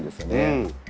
うん！